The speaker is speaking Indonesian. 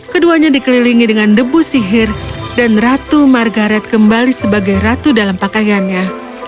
keduanya dikelilingi dengan debu sihir dan ratu margaret kembali sebagai ratu dalam pakaiannya